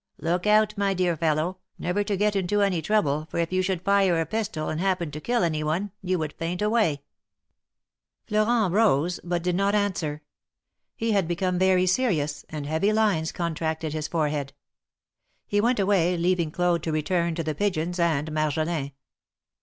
Look out, my dear fellow, never to get into any trouble, for if you should fire a pistol and happen to kill any one you would faint away !" Florent rose, but did not answer. He had become very serious, and heavy lines contracted his forehead. He went away, leaving Claude to return to the pigeons and Marjolin.